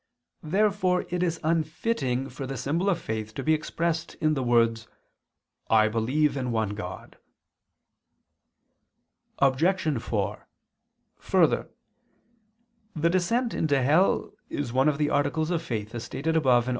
Therefore it is unfitting for the symbol of faith to be expressed in the words: "I believe in one God." Obj. 4: Further, the descent into hell is one of the articles of faith, as stated above (A. 8).